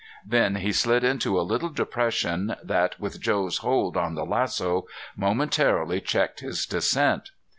Then he slid into a little depression that, with Joe's hold on the lasso, momentarily checked his descent.